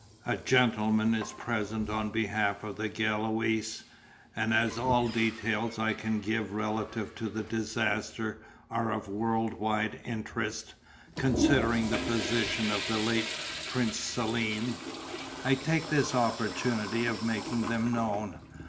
A gentleman is present on behalf of the Gaulois, and as all details I can give relative to the disaster are of world wide interest, considering the position of the late Prince Selm, I take this opportunity of making them known.